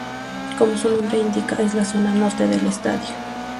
Como su nombre indica, es la Zona Norte del estadio.